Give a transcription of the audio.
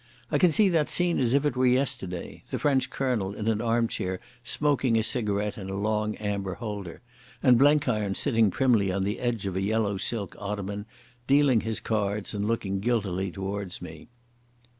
I can see that scene as if it were yesterday—the French colonel in an armchair smoking a cigarette in a long amber holder, and Blenkiron sitting primly on the edge of a yellow silk ottoman, dealing his cards and looking guiltily towards me.